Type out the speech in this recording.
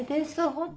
本当